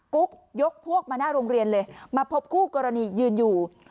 กุ๊กยกพวกมาหน้าโรงเรียนเลยมาพบคู่กรณียืนอยู่